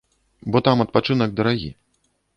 Бо там адпачынак дарагі.